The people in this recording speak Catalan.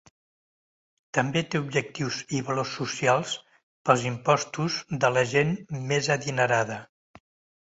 També té objectius i valors socials pels impostos de la gent més adinerada.